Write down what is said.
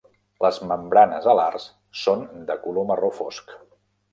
Les membranes alars són de color marró fosc.